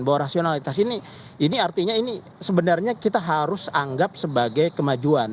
bahwa rasionalitas ini ini artinya ini sebenarnya kita harus anggap sebagai kemajuan